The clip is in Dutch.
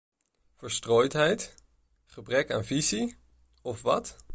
Verstrooidheid, gebrek aan visie, of wat?